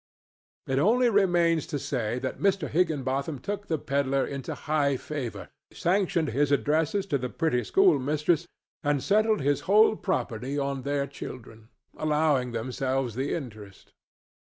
It only remains to say that Mr. Higginbotham took the pedler into high favor, sanctioned his addresses to the pretty schoolmistress and settled his whole property on their children, allowing themselves the interest.